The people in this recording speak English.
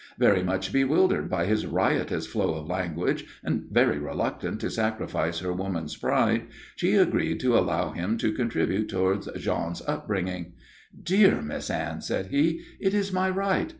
Very much bewildered by his riotous flow of language and very reluctant to sacrifice her woman's pride, she agreed to allow him to contribute towards Jean's upbringing. "Dear Miss Anne," said he, "it is my right.